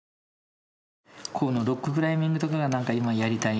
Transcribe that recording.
このロッククライミングとかがなんか今やりたいんですよね。